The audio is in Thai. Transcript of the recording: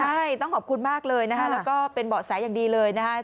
ใช่ต้องขอบคุณมากเลยนะคะแล้วก็เป็นเบาะแสอย่างดีเลยนะคะ